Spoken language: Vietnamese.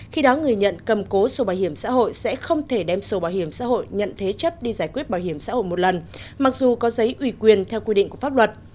khi đó người nhận cầm cố sổ bảo hiểm xã hội sẽ không thể đem sổ bảo hiểm xã hội nhận thế chấp đi giải quyết bảo hiểm xã hội một lần mặc dù có giấy ủy quyền theo quy định của pháp luật